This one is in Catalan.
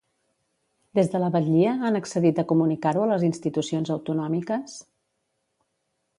Des de la batllia han accedit a comunicar-ho a les institucions autonòmiques?